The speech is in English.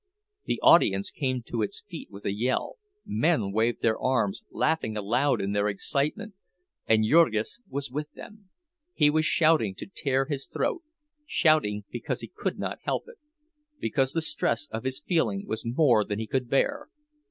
The audience came to its feet with a yell; men waved their arms, laughing aloud in their excitement. And Jurgis was with them, he was shouting to tear his throat; shouting because he could not help it, because the stress of his feeling was more than he could bear.